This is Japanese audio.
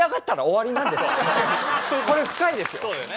これ深いですよ。